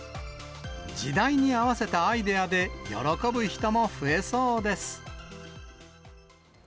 時代に合わせたアイデアで喜ぶ人も増えそうです。